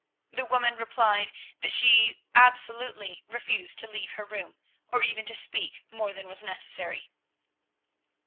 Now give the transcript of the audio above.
The woman replied that she absolutely refused to leave her room, or even to speak more than was necessary.